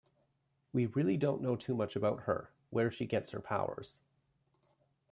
We really don't know too much about her - where she gets her powers.